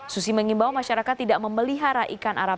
susi mengimbau masyarakat tidak memelihara ikan arab